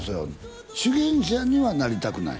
修験者にはなりたくない？